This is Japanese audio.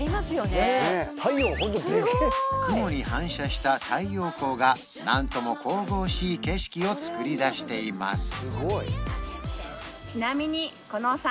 これ雲に反射した太陽光が何とも神々しい景色をつくりだしています